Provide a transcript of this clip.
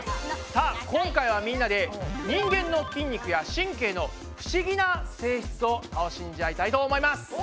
さあ今回はみんなで人間の筋肉や神経の不思議な性質を楽しんじゃいたいと思います。